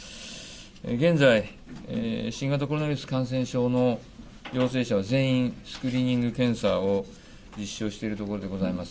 現在、新型コロナウイルス感染症の陽性者は全員、スクリーニング検査を実施をしているところでございます。